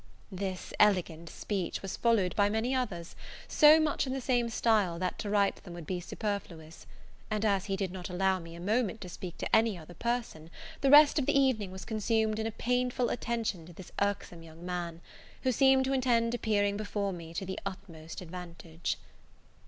This elegant speech was followed by many others so much in the same style, that to write them would be superfluous; and as he did not allow me a moment to speak to any other person, the rest of the evening was consumed in a painful attention to this irksome young man, who seemed to intend appearing before me to the utmost advantage.